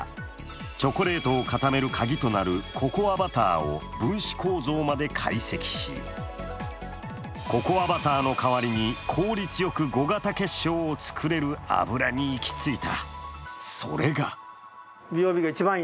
チョコレートを固めるカギとなるココアバターを分子構造まで解析し、ココアバターの代わりに効率よく５型結晶を作れる油に行き着いた。